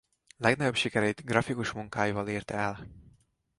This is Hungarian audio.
Legnagyobb sikereit grafikus munkáival érte el.